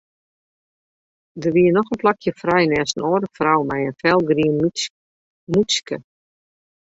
Der wie noch in plakje frij neist in âlde frou mei in felgrien mûtske.